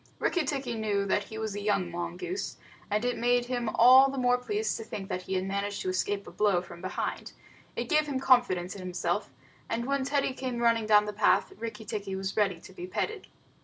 Rikki tikki knew he was a young mongoose, and it made him all the more pleased to think that he had managed to escape a blow from behind. It gave him confidence in himself, and when Teddy came running down the path, Rikki tikki was ready to be petted.